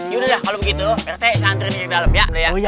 yaudah kalau begitu pak rt saya ngantriin dia ke dalam ya